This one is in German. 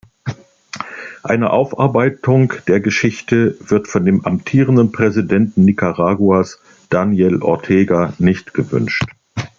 Eine Aufarbeitung der Geschichte wird vom amtierenden Präsidenten Nicaraguas, Daniel Ortega nicht gewünscht.